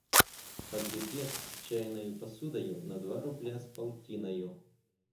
Погребец с чайною посудою на два рубля с полтиною…»